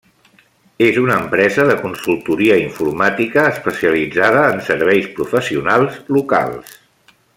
És una empresa de consultoria informàtica especialitzada en serveis professionals locals.